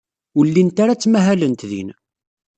Ur llint ara ttmahalent din.